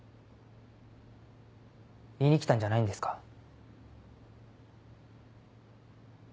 言いに来たんじゃないんですか？